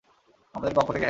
আমাদের পক্ষ থেকে হ্যাঁ।